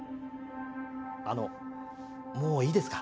あのもういいですか？